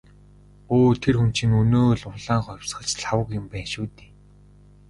Өө тэр хүн чинь өнөө л «улаан хувьсгалч» Лхагва юм байна шүү дээ.